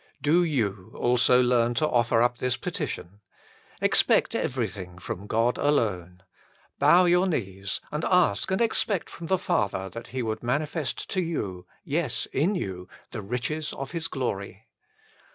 Do you also learn to offer up this petition. Expect everything from God alone. Bow your knees, and ask and expect from the Father that He would manifest to you yes, in you the riches of His glory.